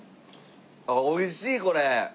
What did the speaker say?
あっおいしいこれ。